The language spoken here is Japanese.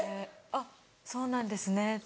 あっそうなんですねって。